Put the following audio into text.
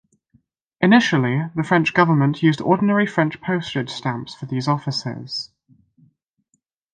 Initially, the French government used ordinary French postage stamps for these offices.